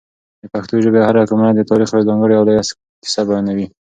د پښتو ژبې هره کلمه د تاریخ یوه ځانګړې او لویه کیسه بیانوي.